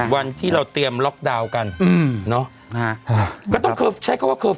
วันที่เราเตรียมล็อกดาวน์กันอืมเนอะนะฮะก็ต้องใช้ก็ว่า